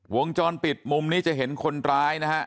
วงจรปิดมุมนี้จะเห็นคนร้ายนะฮะ